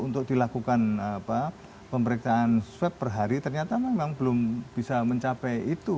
untuk dilakukan pemeriksaan swab per hari ternyata memang belum bisa mencapai itu